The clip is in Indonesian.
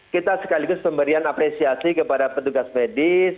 kita sekaligus pemberian apresiasi kepada petugas medis